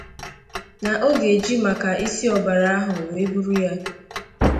na ọ ga-eji maka isi ọbara ahụ wee buru ya